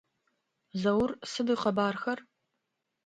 Заур сыд ыкъэбархэр?